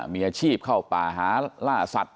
มีอาชีพเข้าป่าหาล่าสัตว